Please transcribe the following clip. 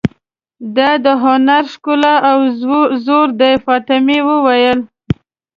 دا د هنر ښکلا او زور دی، فاطمه وویل.